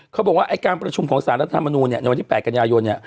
เขาบอกว่าไอ้การประชุมของสารรัฐมนูลในวันที่๘กันยายนเนี่ย